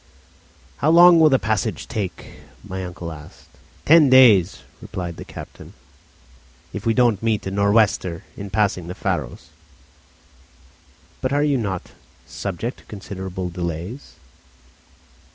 "How long will the passage take?" my uncle asked. "Ten days," the captain replied, "if we don't meet a nor' wester in passing the Faroes." "But are you not subject to considerable delays?"